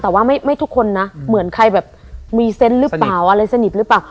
แต่ว่าไม่ทุกคนนะเหมือนใครแบบมีเซนต์หรือเปล่าอะไรสนิทหรือเปล่า